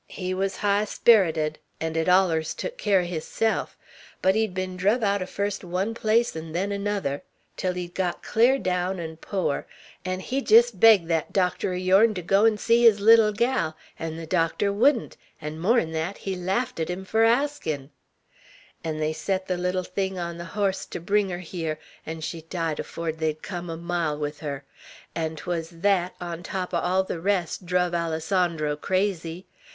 He wuz high spereted, 'n' 'd allers took keer er hisself; but he'd ben druv out er fust one place 'n' then another, tell he'd got clar down, 'n' pore; 'n' he jest begged thet doctor er yourn to go to see his little gal, 'n' the docter wouldn't; 'n' more'n thet, he laughed at him fur askin.' 'N' they set the little thing on the hoss ter bring her here, 'n' she died afore they'd come a mile with her; 'n' 't wuz thet, on top er all the rest druv Alessandro crazy.